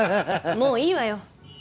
もういいわよ。